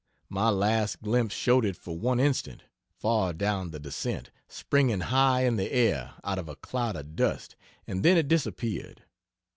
My last glimpse showed it for one instant, far down the descent, springing high in the air out of a cloud of dust, and then it disappeared.